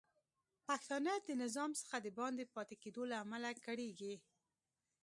پښتانه د نظام څخه د باندې پاتې کیدو له امله کړیږي